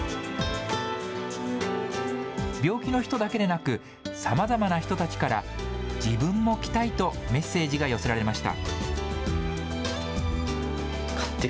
病気の人だけでなく、さまざまな人たちから自分も着たいとメッセージが寄せられました。